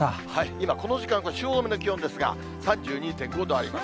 今、この時間の汐留の気温ですが、３２．５度あります。